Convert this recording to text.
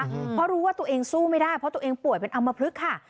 เพราะรู้ว่าตัวเองสู้ไม่ได้เพราะตัวเองป่วยเป็นอำมพลึกค่ะ